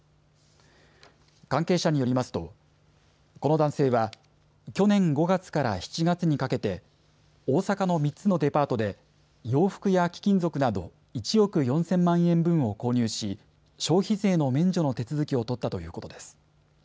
関係者によりますとこの男性は去年５月から７月にかけて大阪の３つのデパートで洋服や貴金属など１億４０００万円分を購入し、消費税の免除の手続きを取ったということです。